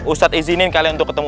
ustadz izinin kalian untuk ketemu